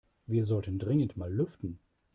Wir sollten dringend mal lüften.